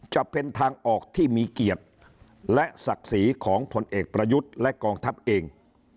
จะเป็นทางออกที่มีเกียรติและศักดิ์ศรีของผลเอกประยุทธ์และกองทัพเอง